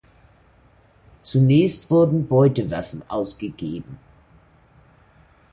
Zunächst wurden Beutewaffen ausgegeben.